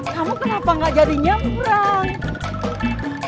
kamu kenapa gak jadi nyebrang